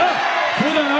そうだよな？